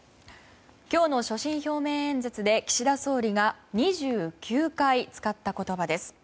今日の所信表明演説で岸田総理が２９回使った言葉です。